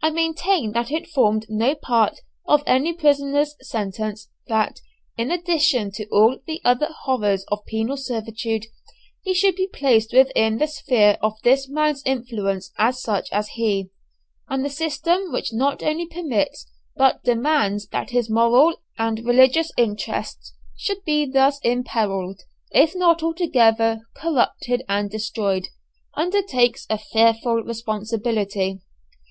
I maintain that it formed no part of any prisoner's sentence that, in addition to all the other horrors of penal servitude, he should be placed within the sphere of this man's influence and such as he; and the system which not only permits but demands that his moral and religious interests should be thus imperilled, if not altogether corrupted and destroyed, undertakes a fearful responsibility.